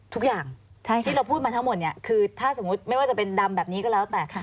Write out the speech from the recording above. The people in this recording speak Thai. ทุกอย่างที่เราพูดมาทั้งหมดเนี่ยคือถ้าสมมุติไม่ว่าจะเป็นดำแบบนี้ก็แล้วแต่ค่ะ